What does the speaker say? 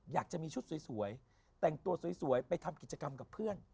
อยากจะมีชุดสวยแต่งตัวสวยไปทำกิจกรรมกับเพื่อน